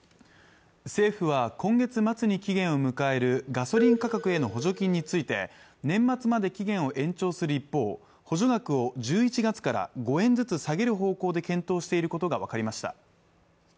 政府は今月末に期限を迎えるガソリン価格への補助金について年末まで期限を延長する一方補助額を１１月から５円ずつ下げる方向で検討していることが分かりました